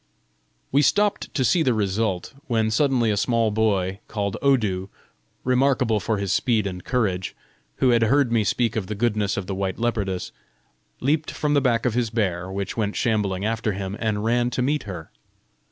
We stopped to see the result; when suddenly a small boy, called Odu, remarkable for his speed and courage, who had heard me speak of the goodness of the white leopardess, leaped from the back of his bear, which went shambling after him, and ran to meet her.